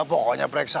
pokoknya periksa wak